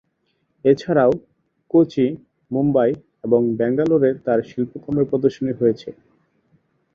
এছাড়াও কোচি, মুম্বাই এবং ব্যাঙ্গালোরে তার শিল্পকর্মের প্রদর্শনী হয়েছে।